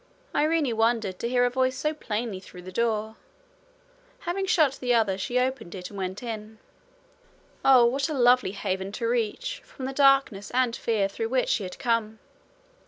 Irene wondered to hear her voice so plainly through the door: having shut the other, she opened it and went in. Oh, what a lovely haven to reach from the darkness and fear through which she had come!